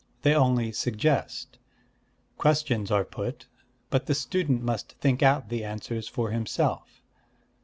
They only suggest. Questions are put; but the student must think out the answers for himself.